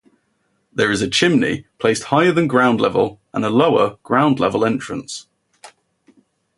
There is a "chimney" placed higher than ground-level and a lower, ground-level, entrance.